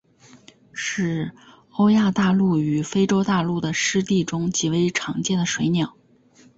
是欧亚大陆与非洲大陆的湿地中极为常见的水鸟。